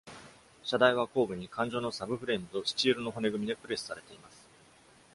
車台は後部に管状のサブフレームとスチールの骨組みでプレスされています。